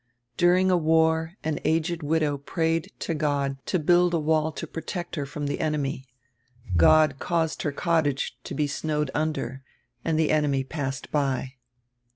During a war an aged widow prayed God to build a wall to protect her from die enemy. God caused her cottage to be snowed under, and die enemy passed by.